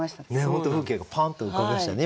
本当風景がパーンと浮かびましたね